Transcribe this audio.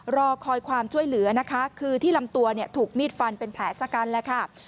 รอคอยความช่วยเหลือนะคะคือที่ลำตัวเนี่ยถูกมีดฟันเป็นแผลชะกันแหละค่ะ